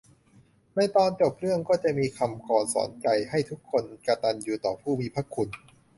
ในตอนจบเรื่องก็จะมีคำกลอนสอนใจให้ทุกคนกตัญญูต่อผู้มีพระคุณ